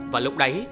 và lúc đấy